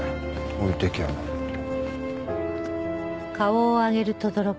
置いていきやがって。